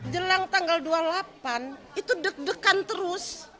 jelang tanggal dua puluh delapan itu deg degan terus